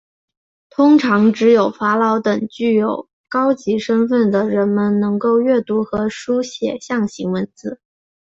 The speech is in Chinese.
通常只有法老等具有高级身份的人们能够阅读和书写象形文字。